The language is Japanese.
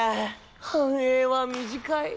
繁栄は短い。